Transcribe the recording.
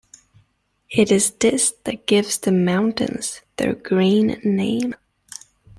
It is this that gives the mountains their "green" name.